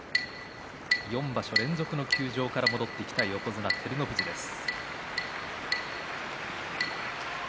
４場所連続の休場から戻ってきた横綱照ノ富士です。